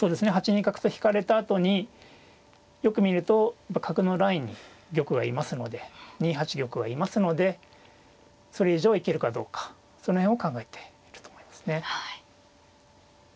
８二角と引かれたあとによく見ると角のラインに玉がいますので２八玉はいますのでそれ以上行けるかどうかその辺を考えていると思いますね。